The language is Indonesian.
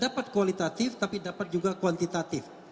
dapat kualitatif tapi dapat juga kuantitatif